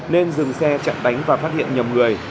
nên dừng xe chặn đánh và phát hiện nhầm người